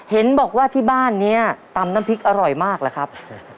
เห็นบอกว่าที่บ้านนี้ตำน้ำพริกอร่อยมากหรือครับ